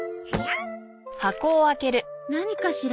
何かしら？